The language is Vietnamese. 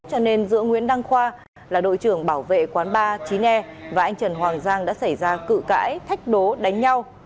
cho nên giữa nguyễn đăng khoa là đội trưởng bảo vệ quán ba chín e và anh trần hoàng giang đã xảy ra cự cãi thách đố đánh nhau